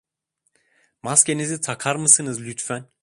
Maskenizi takar mısınız lütfen?